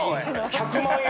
１００万円！？